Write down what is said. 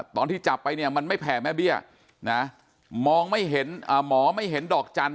ตอนที่จับไปเนี่ยมันไม่แผ่แม่เบี้ยนะมองไม่เห็นหมอไม่เห็นดอกจันท